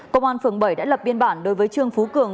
công an phường bảy đã lập biên bản đối với trương phú cường